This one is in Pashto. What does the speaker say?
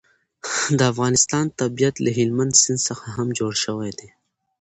د افغانستان طبیعت له هلمند سیند څخه هم جوړ شوی دی.